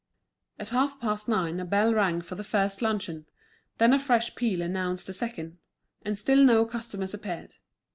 At half past nine a bell rang for the first luncheon. Then a fresh peal announced the second; and still no customers appeared.